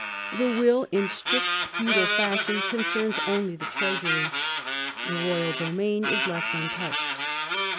The will, in strict feudal fashion, concerns only the treasury. The royal domain is left untouched.